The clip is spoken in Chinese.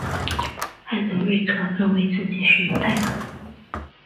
艾伦瑞克认为自己是犹太人。